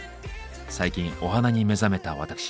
最近お花に目覚めた私。